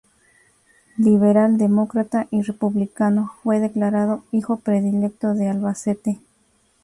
Liberal, demócrata y republicano, fue declarado hijo predilecto de Albacete.